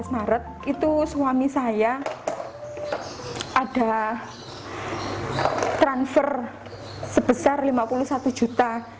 dua belas maret itu suami saya ada transfer sebesar lima puluh satu juta